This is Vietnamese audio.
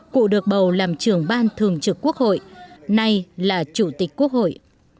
cụ được bầu làm trưởng ban thường trực quốc hội nay là chủ tịch quốc hội